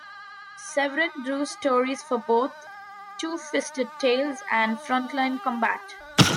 Severin drew stories for both "Two-Fisted Tales" and "Frontline Combat".